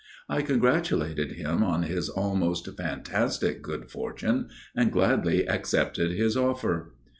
I congratulated him on his almost fantastic good fortune and gladly accepted his offer.